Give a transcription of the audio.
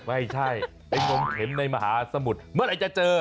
ไม่ใช่ไอ้งมเข็มในมหาสมุทรเมื่อไหร่จะเจอ